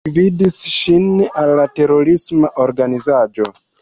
Tio gvidis ŝin al la terorisma organizaĵo.